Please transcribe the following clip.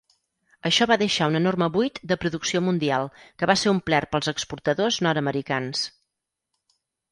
Això va deixar un enorme buit de producció mundial que va ser omplert pels exportadors nord-americans.